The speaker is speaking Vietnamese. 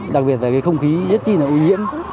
đặc biệt là cái không khí rất chi là ô nhiễm